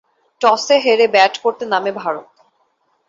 টসে হেরে ব্যাট করতে নামে ভারত।